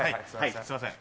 すいません。